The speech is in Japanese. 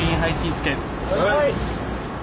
はい！